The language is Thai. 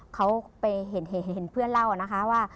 เขาไปเห็นเพื่อนเล่านะคะว่า